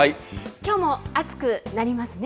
きょうも暑くなりますね。